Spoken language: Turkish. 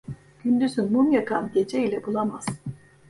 Gündüzün mum yakan geceyle bulamaz.